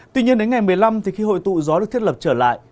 tuy nhiên đến ngày một mươi năm thì khi hội tụ gió được thiết lập trở lại